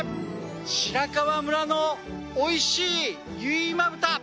白川村のおいしい結旨豚。